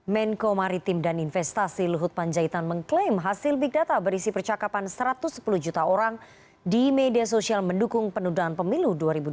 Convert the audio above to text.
menko maritim dan investasi luhut panjaitan mengklaim hasil big data berisi percakapan satu ratus sepuluh juta orang di media sosial mendukung penundaan pemilu dua ribu dua puluh